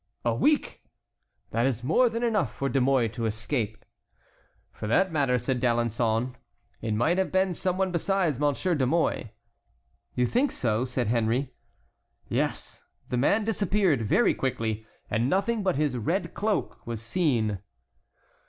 "A week! That is more than enough for De Mouy to escape." "For that matter," said D'Alençon, "it might have been some one besides Monsieur de Mouy." "You think so?" said Henry. "Yes, the man disappeared very quickly, and nothing but his red cloak was seen."